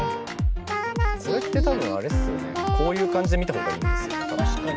これって多分あれっすよねこういう感じで見た方がいいんですよね。